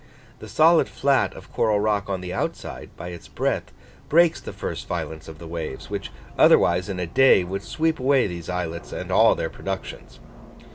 The solid flat of coral rock on the outside, by its breadth, breaks the first violence of the waves, which otherwise, in a day, would sweep away these islets and all their productions.